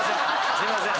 すいません！